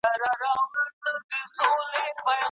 د ټولنیز واټن ساتل په دې سختو ورځو کې اړین دي.